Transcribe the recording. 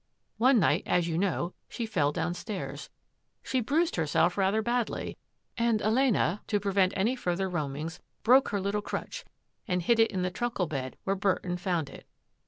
One night, as you know, she fell downstairs. She bruised her self rather badly, and Elena, to prevent any further roamings, broke her little crutch and hid it in the truckle bed where Burton found it."